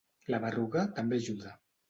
La berruga també ajuda.